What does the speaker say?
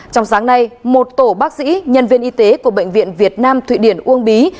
trong sáng nay một tổ bác sĩ nhân viên y tế của bệnh viện việt nam thụy điển uông bí